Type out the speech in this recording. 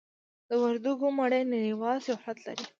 د وردګو مڼې نړیوال شهرت لري.